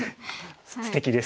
すてきです。